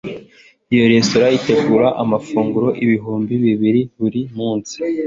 iyo resitora itegura amafunguro ibihumbi bibiri buri munsi